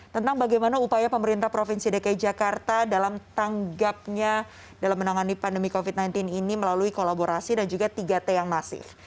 tentang bagaimana upaya pemerintah provinsi dki jakarta dalam tanggapnya dalam menangani pandemi covid sembilan belas ini melalui kolaborasi dan juga tiga t yang masif